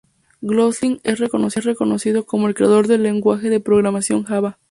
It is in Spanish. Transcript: Gosling es reconocido como el creador del lenguaje de programación Java.